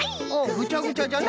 「ぐちゃぐちゃ」じゃな。